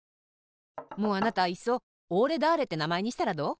もうあなたいっそおーれだーれってなまえにしたらどう？